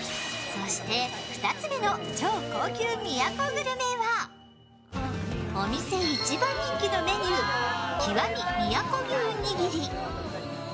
そして、２つ目の超高級宮古グルメはお店一番人気のメニュー、極み宮古牛にぎり。